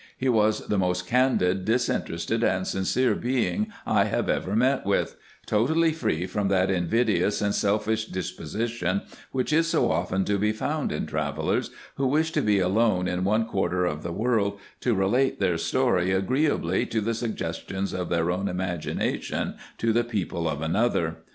He was the most candid, disinterested, and sincere being I have ever met with ; totally free from that invidious and selfish disposition, which is so often to be found in travellers, who wish to be alone in one quarter of the world, to relate their story agreeably to the suggestions of their own imagination to the people of another.